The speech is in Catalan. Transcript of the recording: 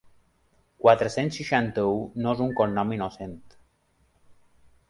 Quatre-cents seixanta-u no és un cognom innocent.